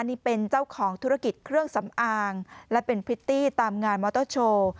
นี่เป็นเจ้าของธุรกิจเครื่องสำอางและเป็นพริตตี้ตามงานมอเตอร์โชว์